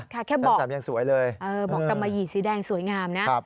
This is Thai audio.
แค่บอกตามายีสีแดงสวยงามนะ